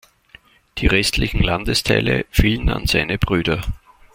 Die restlichen Landesteile fielen an seine Brüder.